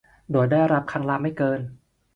โดยได้รับครั้งละไม่เกิน